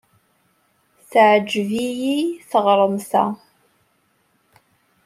Teɛjeb-iyi teɣremt-a.